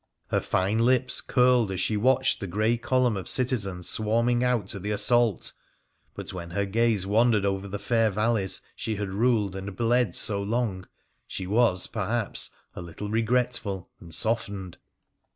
Her fine lips curled as she watched the grey column of citizens swarming out to the assault ; but when her gaze wandered over the fair valleys she had ruled and bled so long, she was, perhaps, a little regretful and softened.